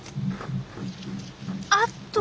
あっと！